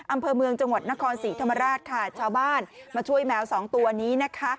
อำเภอเมืองจังหวัดนครศรีธรรมราชค่ะชาวบ้านมาช่วยแมวสองตัวนี้นะคะ